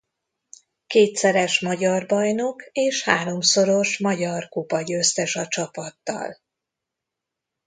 Kétszeres magyar bajnok és háromszoros magyar kupa győztes a csapattal.